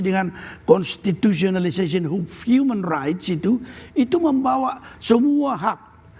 dengan constitutionalization hub human rights itu itu membawa semua hak